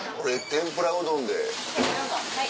天ぷらうどんはい。